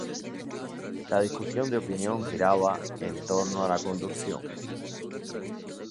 La discusión de opinión giraba en torno a la conducción.